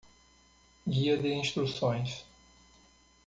Guia de instruções.